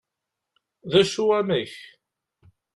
d acu amek?